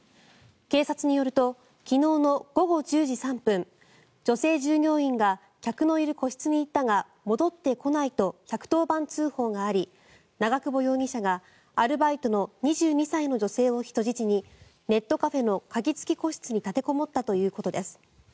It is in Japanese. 警察によると昨日の午後１０時３分女性従業員が客のいる個室に行ったが戻ってこないと１１０番通報があり長久保容疑者がアルバイトの２２歳の女性を人質にネットカフェの鍵付き個室に立てこもったということです。